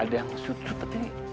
ada yang seperti ini